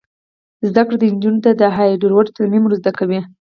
زده کړه نجونو ته د هارډویر ترمیم ور زده کوي.